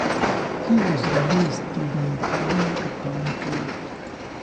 He was released during the final cutdown period.